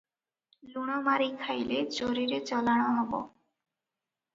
ଲୁଣ ମାରି ଖାଇଲେ ଚୋରୀରେ ଚଲାଣ ହେବ ।